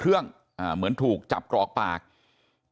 เพราะฉะนั้นแม่จะยังไม่เผาศพลูก